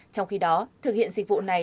trong khi đó thực hiện dịch vụ này